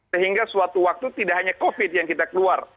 sehingga suatu waktu tidak hanya covid yang kita keluar